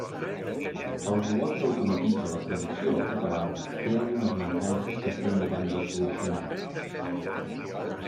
El robot que automatitza la traducció al català té algunes mancances que estem mirant de solucionar.